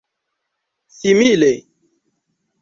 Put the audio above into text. simile